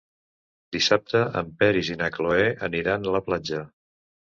Dissabte en Peris i na Cloè aniran a la platja.